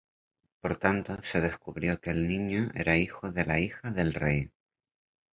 Por tanto se descubrió que el niño era hijo de la hija del rey.